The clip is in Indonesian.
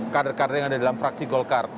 kadar kadar yang ada di dalam fraksi golkar